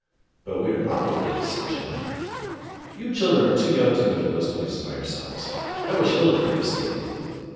"But we are not old ladies," said Jim. "You children are too young to go to those places by yourselves. I wish Hilda could have stayed."